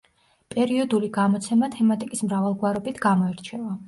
პერიოდული გამოცემა თემატიკის მრავალგვარობით გამოირჩევა.